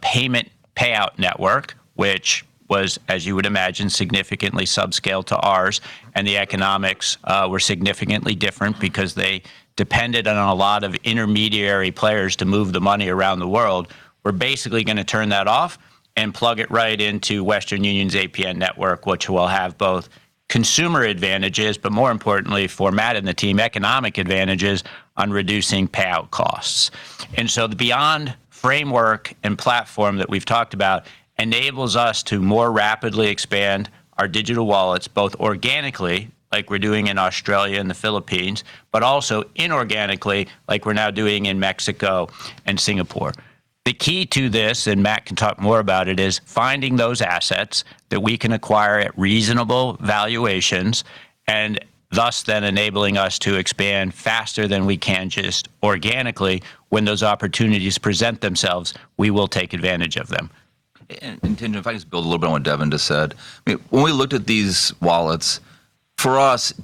payment payout network, which was, as you would imagine, significantly subscale to ours, and the economics were significantly different because they depended on a lot of intermediary players to move the money around the world. We're basically going to turn that off and plug it right into Western Union's APN network, which will have both consumer advantages, but more importantly, for Matt and the team, economic advantages on reducing payout costs. The Beyond framework and platform that we've talked about enables us to more rapidly expand our digital wallets, both organically, like we're doing in Australia and the Philippines, but also inorganically, like we're now doing in Mexico and Singapore. The key to this, and Matt can talk more about it, is finding those assets that we can acquire at reasonable valuations, and thus then enabling us to expand faster than we can just organically. When those opportunities present themselves, we will take advantage of them. Tien-Tsin, if I just build a little bit on what Devin just said. When we looked at these wallets, for us,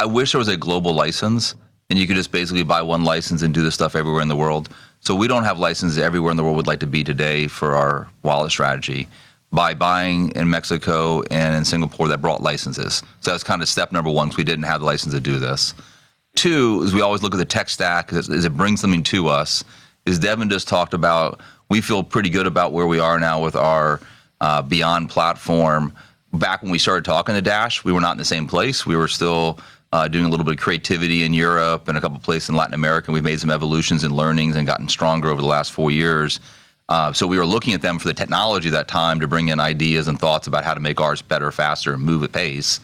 I wish there was a global license and you could just basically buy one license and do this stuff everywhere in the world. We don't have licenses everywhere in the world we'd like to be today for our wallet strategy. By buying in Mexico and in Singapore, that brought licenses. That was kind of step number one, because we didn't have the license to do this. Two is we always look at the tech stack, does it bring something to us? As Devin just talked about, we feel pretty good about where we are now with our Beyond platform. Back when we started talking to Dash, we were not in the same place. We were still doing a little bit of creativity in Europe and a couple places in Latin America, and we've made some evolutions and learnings and gotten stronger over the last four years. We were looking at them for the technology at that time to bring in ideas and thoughts about how to make ours better, faster, and move at pace.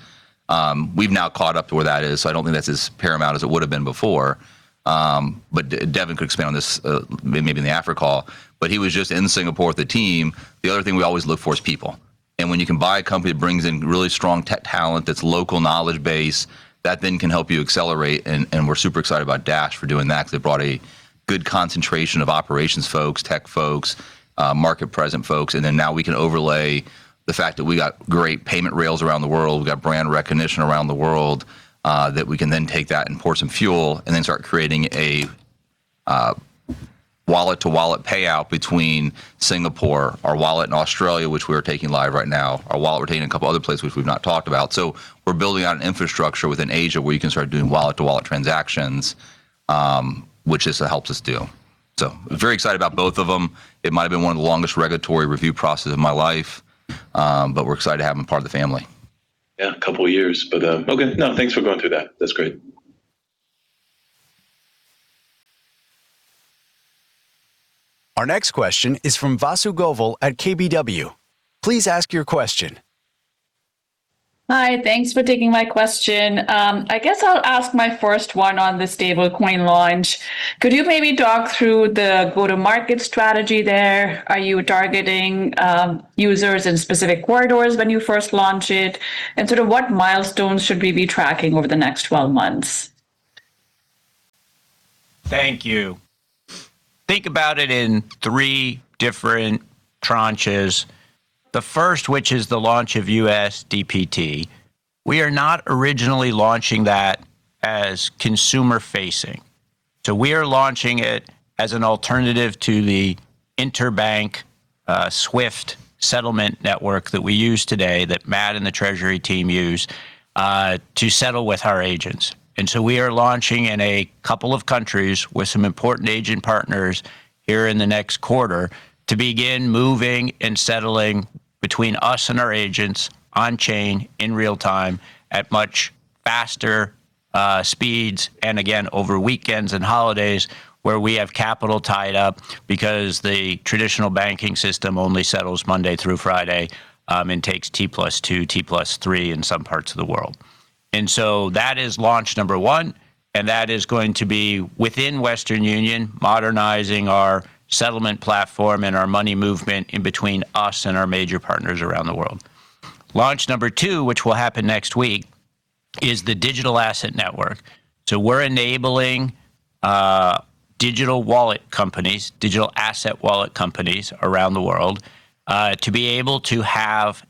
We've now caught up to where that is, so I don't think that's as paramount as it would've been before. Devin could expand on this maybe in the after call. He was just in Singapore with the team. The other thing we always look for is people. When you can buy a company that brings in really strong tech talent that's local knowledge base, that then can help you accelerate, and we're super excited about Dash for doing that because it brought a good concentration of operations folks, tech folks, market presence folks. Now we can overlay the fact that we got great payment rails around the world. We've got brand recognition around the world that we can then take that and pour some fuel and then start creating a wallet-to-wallet payout between Singapore, our wallet in Australia, which we are taking live right now, our wallet we're taking in a couple other places which we've not talked about. We're building out an infrastructure within Asia where you can start doing wallet-to-wallet transactions, which this helps us do. I'm very excited about both of them. It might've been one of the longest regulatory review processes of my life, but we're excited to have them part of the family. Yeah. A couple of years, but okay. No, thanks for going through that. That's great. Our next question is from Vasu Govil at KBW. Please ask your question. Hi. Thanks for taking my question. I guess I'll ask my first one on the stablecoin launch. Could you maybe talk through the go-to-market strategy there? Are you targeting users in specific corridors when you first launch it? Sort of what milestones should we be tracking over the next 12 months? Thank you. Think about it in three different tranches. The first, which is the launch of USDPT, we are not originally launching that as consumer-facing. We are launching it as an alternative to the interbank SWIFT settlement network that we use today, that Matt and the treasury team use, to settle with our agents. We are launching in a couple of countries with some important agent partners here in the next quarter to begin moving and settling between us and our agents on-chain in real time at much faster speeds, and again, over weekends and holidays where we have capital tied up because the traditional banking system only settles Monday through Friday, and takes T+2, T+3 in some parts of the world. That is launch number one, and that is going to be within Western Union modernizing our settlement platform and our money movement in between us and our major partners around the world. Launch number two, which will happen next week, is the Digital Asset Network. We're enabling digital wallet companies, digital asset wallet companies around the world, to be able to have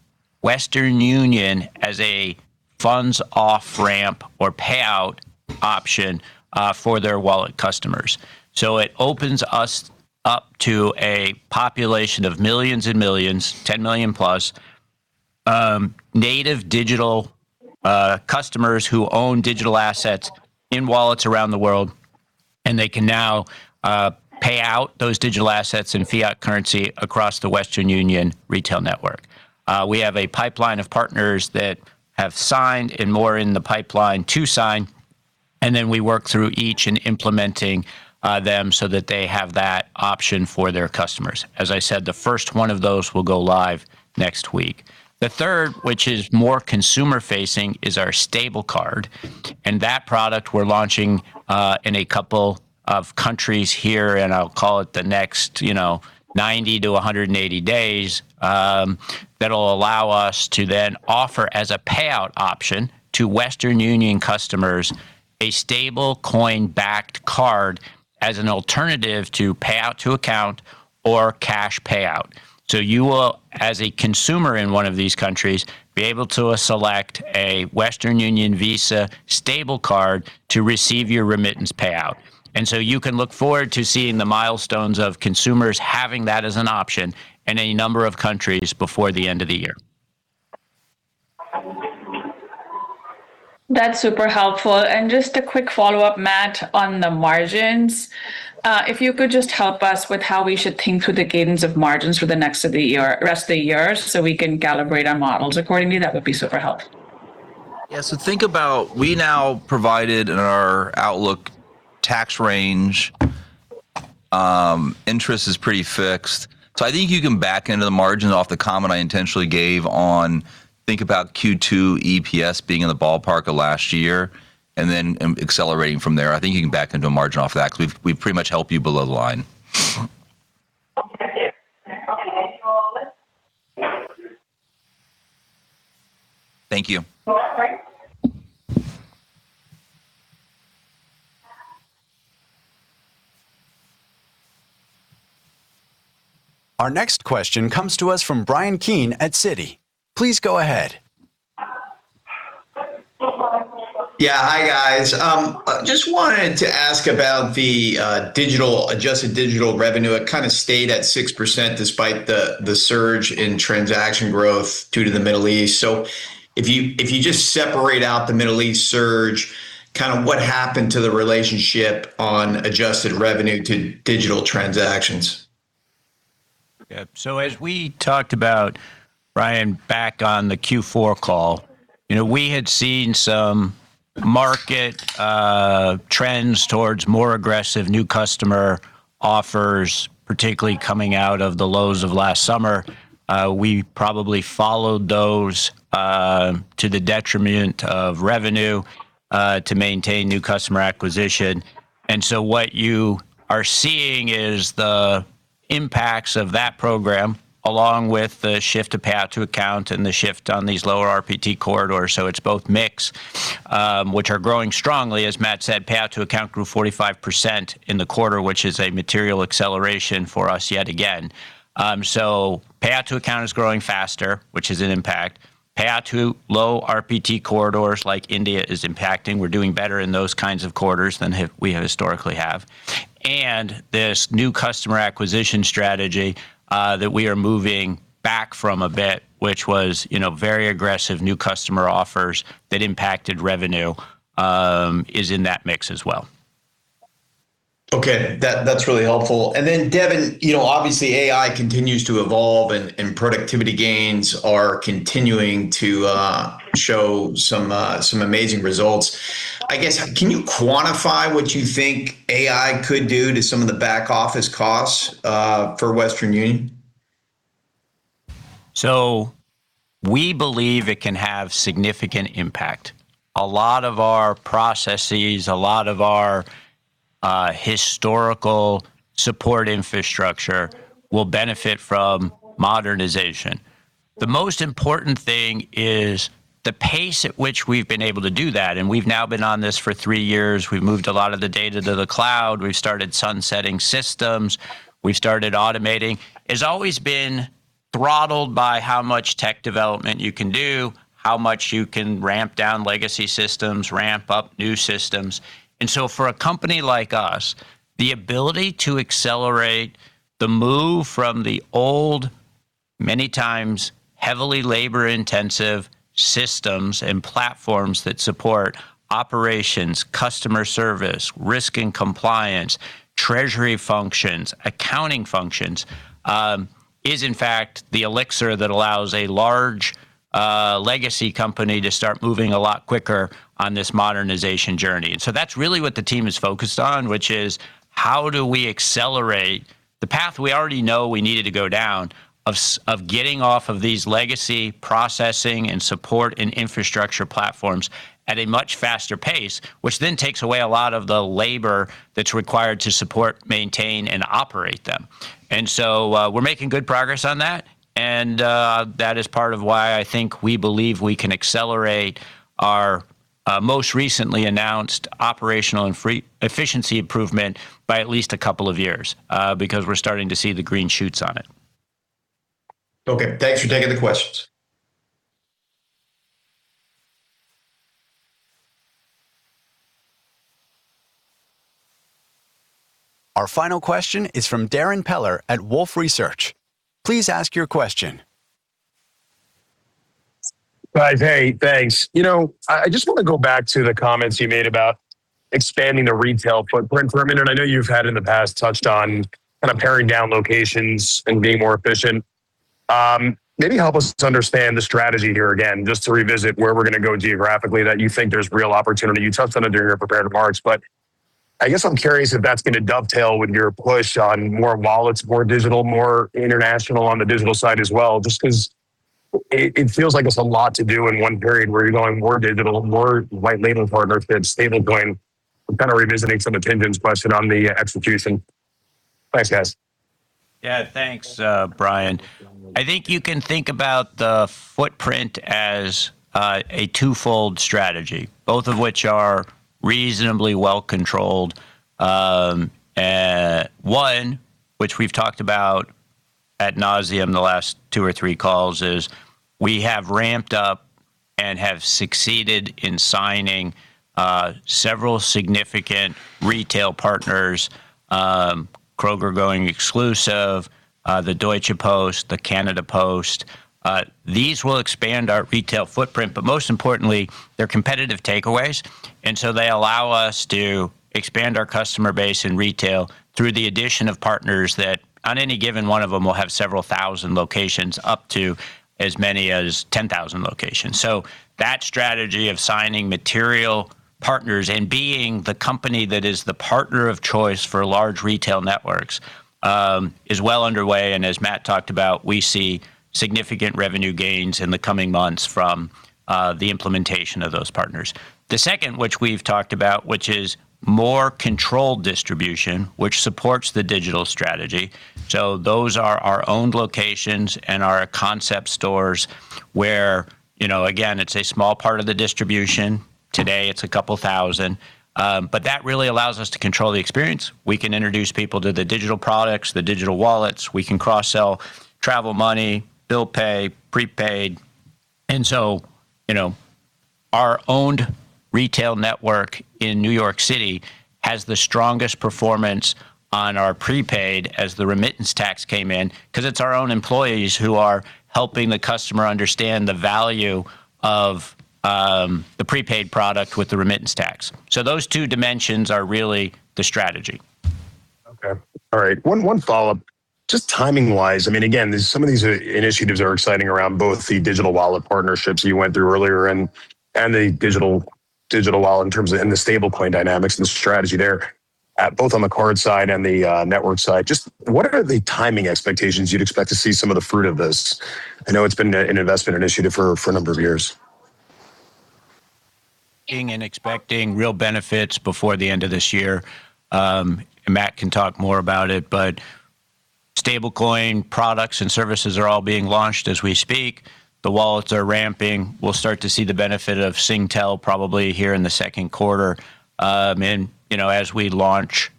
Western Union as a funds off-ramp or payout option for their wallet customers. It opens us up to a population of millions and millions, 10 million plus, native digital customers who own digital assets in wallets around the world, and they can now pay out those digital assets in fiat currency across the Western Union retail network. We have a pipeline of partners that have signed and more in the pipeline to sign, and then we work through each and implementing them so that they have that option for their customers. As I said, the first one of those will go live next week. The third, which is more consumer facing, is our Stable Card. That product we're launching in a couple of countries here, and I'll call it the next 90-180 days, that'll allow us to then offer as a payout option to Western Union customers, a stablecoin-backed card as an alternative to payout to account or cash payout. You will, as a consumer in one of these countries, be able to select a Western Union Visa Stable Card to receive your remittance payout. You can look forward to seeing the milestones of consumers having that as an option in a number of countries before the end of the year. That's super helpful. Just a quick follow-up, Matt, on the margins. If you could just help us with how we should think through the guidance of margins for the rest of the year so we can calibrate our models accordingly, that would be super helpful. Yeah. Think about we now provided in our outlook tax range, interest is pretty fixed. I think you can back into the margin off the comment I intentionally gave on think about Q2 EPS being in the ballpark of last year and then accelerating from there. I think you can back into a margin off that because we've pretty much helped you below the line. Thank you. All right. Our next question comes to us from Bryan Keane at Citi. Please go ahead. Yeah. Hi, guys. Just wanted to ask about the adjusted digital revenue. It kind of stayed at 6% despite the surge in transaction growth due to the Middle East. If you just separate out the Middle East surge, kind of what happened to the relationship on adjusted revenue to digital transactions? Yeah. As we talked about, Bryan, back on the Q4 call, we had seen some market trends towards more aggressive new customer offers, particularly coming out of the lows of last summer. We probably followed those to the detriment of revenue to maintain new customer acquisition. What you are seeing is the impacts of that program along with the shift to pay out to account and the shift on these lower RPT corridors. It's both mix, which are growing strongly, as Matt said, pay out to account grew 45% in the quarter, which is a material acceleration for us yet again. Pay out to account is growing faster, which is an impact. Pay out to low RPT corridors like India is impacting. We're doing better in those kinds of corridors than we historically have. This new customer acquisition strategy that we are moving back from a bit, which was very aggressive new customer offers that impacted revenue, is in that mix as well. Okay. That's really helpful. And then Devin, obviously AI continues to evolve and productivity gains are continuing to show some amazing results. I guess, can you quantify what you think AI could do to some of the back office costs for Western Union? We believe it can have significant impact. A lot of our processes, a lot of our historical support infrastructure will benefit from modernization. The most important thing is the pace at which we've been able to do that, and we've now been on this for three years. We've moved a lot of the data to the cloud. We've started sunsetting systems. We've started automating. It's always been throttled by how much tech development you can do, how much you can ramp down legacy systems, ramp up new systems. For a company like us, the ability to accelerate the move from the old, many times, heavily labor-intensive systems and platforms that support operations, customer service, risk and compliance, treasury functions, accounting functions is in fact the elixir that allows a large legacy company to start moving a lot quicker on this modernization journey. That's really what the team is focused on, which is how do we accelerate the path we already know we needed to go down of getting off of these legacy processing and support and infrastructure platforms at a much faster pace, which then takes away a lot of the labor that's required to support, maintain, and operate them. We're making good progress on that, and that is part of why I think we believe we can accelerate our most recently announced operational and efficiency improvement by at least a couple of years, because we're starting to see the green shoots on it. Okay. Thanks for taking the questions. Our final question is from Darrin Peller at Wolfe Research. Please ask your question. Guys, hey, thanks. I just want to go back to the comments you made about expanding the retail footprint for a minute. I know you've had in the past touched on kind of paring down locations and being more efficient. Maybe help us understand the strategy here again, just to revisit where we're going to go geographically that you think there's real opportunity. You touched on it during your prepared remarks, but I guess I'm curious if that's going to dovetail with your push on more wallets, more digital, more international on the digital side as well, just because it feels like it's a lot to do in one period where you're going more digital, more white labeling partners, yet stablecoin. I'm kind of revisiting some of Tien-Tsin's question on the execution. Thanks, guys. Yeah. Thanks, Bryan. I think you can think about the footprint as a twofold strategy, both of which are reasonably well controlled. One which we've talked about ad nauseam the last two or three calls is we have ramped up and have succeeded in signing several significant retail partners, Kroger going exclusive, the Deutsche Post, the Canada Post. These will expand our retail footprint, but most importantly, they're competitive takeaways, and so they allow us to expand our customer base in retail through the addition of partners that on any given one of them will have several thousand locations, up to as many as 10,000 locations. That strategy of signing material partners and being the company that is the partner of choice for large retail networks is well underway. As Matt talked about, we see significant revenue gains in the coming months from the implementation of those partners. The second, which we've talked about, which is more controlled distribution, which supports the digital strategy. Those are our own locations and our concept stores where, again, it's a small part of the distribution. Today, it's a couple of thousand. But that really allows us to control the experience. We can introduce people to the digital products, the digital wallets. We can cross-sell Travel Money, bill pay, prepaid. Our owned retail network in New York City has the strongest performance on our prepaid as the remittance tax came in, because it's our own employees who are helping the customer understand the value of the prepaid product with the remittance tax. Those two dimensions are really the strategy. Okay. All right. One follow-up. Just timing-wise, again, some of these initiatives are exciting around both the digital wallet partnerships you went through earlier and the digital wallet in terms of, and the stablecoin dynamics and the strategy there at both on the card side and the network side. Just what are the timing expectations you'd expect to see some of the fruit of this? I know it's been an investment initiative for a number of years. Seeing and expecting real benefits before the end of this year. Matt can talk more about it, but stablecoin products and services are all being launched as we speak. The wallets are ramping. We'll start to see the benefit of Singtel probably here in the second quarter. As we launch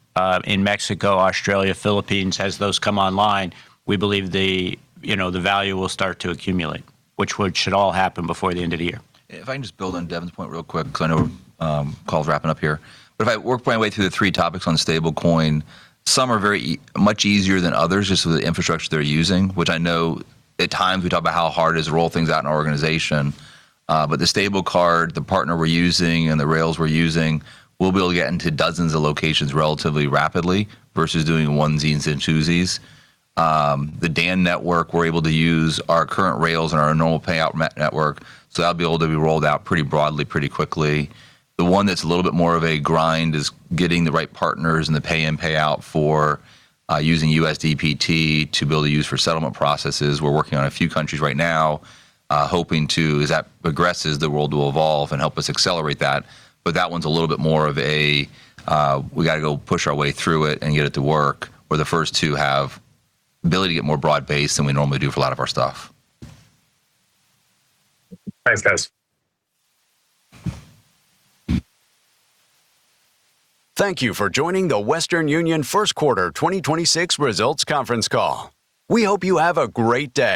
in Mexico, Australia, Philippines, as those come online, we believe the value will start to accumulate, which should all happen before the end of the year. If I can just build on Devin's point real quick, because I know call's wrapping up here. If I work my way through the three topics on stablecoin, some are very much easier than others just with the infrastructure they're using, which I know at times we talk about how hard it is to roll things out in our organization. The Stable Card, the partner we're using, and the rails we're using, we'll be able to get into dozens of locations relatively rapidly versus doing onesies and twosies. The DAN network, we're able to use our current rails and our normal payout network, so that'll be able to be rolled out pretty broadly, pretty quickly. The one that's a little bit more of a grind is getting the right partners and the pay-in, pay-out for using USDPT to build a use for settlement processes. We're working on a few countries right now, hoping to, as that progresses, the world will evolve and help us accelerate that. That one's a little bit more of a, we got to go push our way through it and get it to work. We're the first to have ability to get more broad-based than we normally do for a lot of our stuff. Thanks, guys. Thank you for joining the Western Union first quarter 2026 results conference call. We hope you have a great day.